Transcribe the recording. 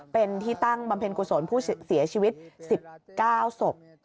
เป็นที่ตั้งบำเพ็ญกุศลผู้เสียชีวิต๑๙ศพ